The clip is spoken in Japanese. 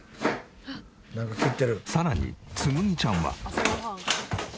さらにつむぎちゃんは。